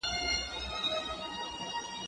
زه مخکي ښوونځی ته تللی و؟